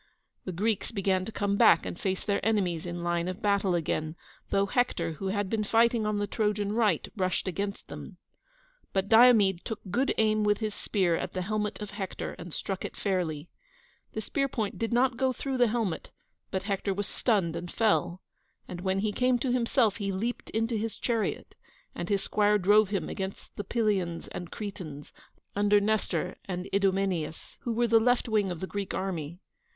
The Greeks began to come back and face their enemies in line of battle again, though Hector, who had been fighting on the Trojan right, rushed against them. But Diomede took good aim with his spear at the helmet of Hector, and struck it fairly. The spear point did not go through the helmet, but Hector was stunned and fell; and, when he came to himself, he leaped into his chariot, and his squire drove him against the Pylians and Cretans, under Nestor and Idomeneus, who were on the left wing of the Greek army.